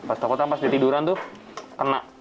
pas takutnya pas di tiduran tuh kena